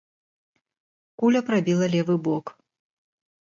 Куля прабіла левы бок.